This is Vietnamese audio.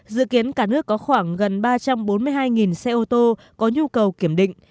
dự kiến cả nước có khoảng gần ba trăm bốn mươi hai xe ô tô có nhu cầu kiểm định